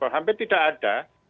hampir tidak ada